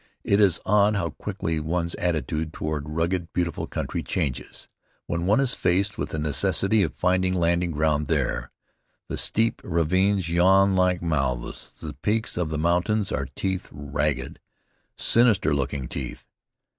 It is odd how quickly one's attitude toward rugged, beautiful country changes, when one is faced with the necessity of finding landing ground there. The steep ravines yawn like mouths. The peaks of the mountains are teeth ragged, sinister looking teeth.